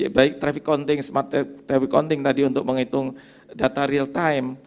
baik traffic counting smart traffic counting tadi untuk menghitung data real time